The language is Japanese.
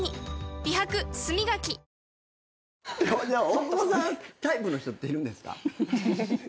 大久保さんタイプの人っているんですか？